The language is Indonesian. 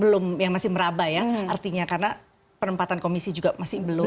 belum yang masih meraba ya artinya karena penempatan komisi juga masih belum